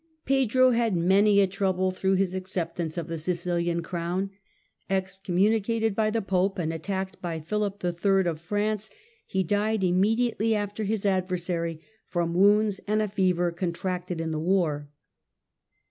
Pedro had many a trouble through his ac ceptance of the Sicihan Crown ; excommunicated by the Pope and attacked by Phihp III. of France, he died, immediately after his adversary, from wounds and a fever contracted in the war.